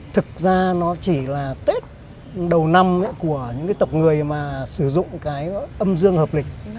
thực ra nó chỉ là tết đầu năm của những cái tộc người mà sử dụng cái âm dương hợp lịch